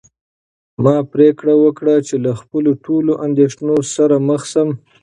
ما پرېکړه وکړه چې له خپلو ټولو اندېښنو سره مخ شم.